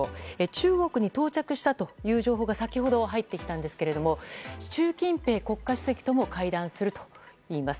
中国に到着したという情報が先ほど入ってきたんですけれども習近平国家主席とも会談するといいます。